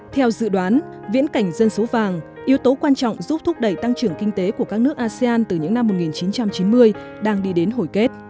theo dự đoán viễn cảnh dân số vàng yếu tố quan trọng giúp thúc đẩy tăng trưởng kinh tế của các nước asean từ những năm một nghìn chín trăm chín mươi đang đi đến hồi kết